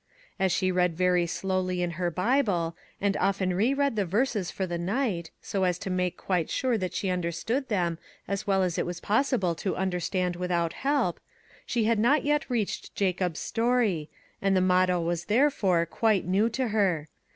As she read very slowly in her Bible, and often re read the verses for the night, so as to make quite sure that she understood them as well as it was possible to understand without help, she had not yet reached Jacob's story, and the motto was therefore, quite new to her.